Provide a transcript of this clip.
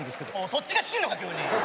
そっちが仕切るのか急に。